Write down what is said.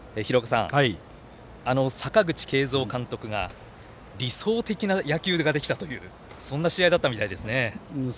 阪口慶三監督が理想的な野球ができたというそんな試合だったみたいですね。